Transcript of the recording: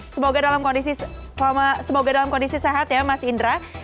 semoga dalam kondisi sehat ya mas indra